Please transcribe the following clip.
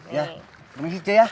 iya permisi cek ya